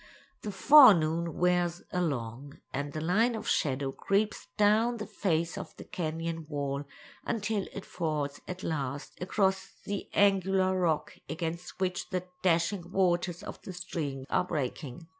The forenoon wears along, and the line of shadow creeps down the face of the canyon wall until it falls at last across the angular rock against which the dashing waters of the stream are breaking.